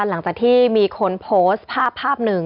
หลังจากที่มีคนโพสต์ภาพภาพหนึ่ง